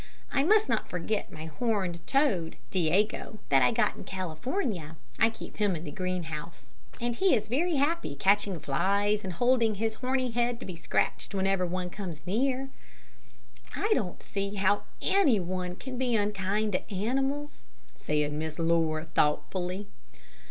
I must not forget my horned toad, Diego, that I got in California. I keep him in the green house, and he is very happy catching flies and holding his horny head to be scratched whenever any one comes near." "I don't see how any one can be unkind to animals," said Miss Laura, thoughtfully.